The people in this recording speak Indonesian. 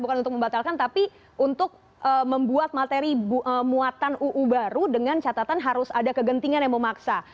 bukan untuk membatalkan tapi untuk membuat materi muatan uu baru dengan catatan harus ada kegentingan yang memaksa